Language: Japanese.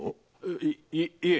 いいえ